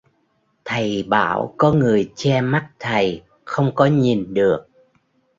thầy bảo có người che mắt thầy không có nhìn được